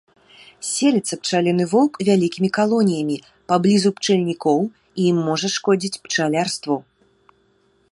Селіцца пчаліны воўк вялікімі калоніямі паблізу пчальнікоў і можа шкодзіць пчалярству.